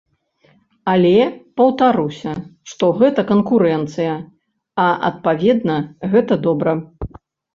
Але паўтаруся, што гэта канкурэнцыя, а адпаведна, гэта добра.